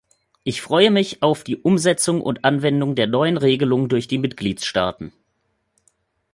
Ich freue mich auf die Umsetzung und Anwendung der neuen Regelung durch die Mitgliedstaaten.